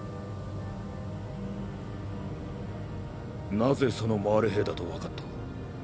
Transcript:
なぜそのマーレ兵だとわかった？